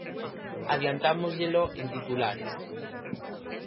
Adiantámosllelo en titulares.